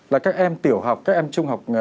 là các em tiểu học các em trung học